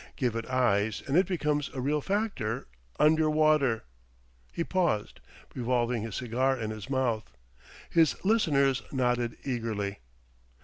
Give it eyes and it becomes a real factor under water." He paused, revolving his cigar in his mouth. His listeners nodded eagerly.